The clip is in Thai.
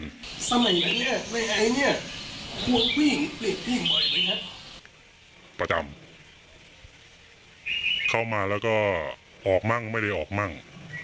เหมือนกันสมัยเนี้ยในไอ้เนี้ยควรวิ่งประจำเข้ามาแล้วก็ออกมั่งไม่ได้ออกมั่ง